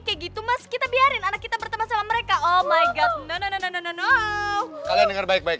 kayak gitu mas kita biarin aneh kita berteman sama mereka oh my god nenek nenek kalian denger baik baik